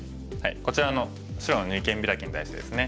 こちらの白の二間ビラキに対してですね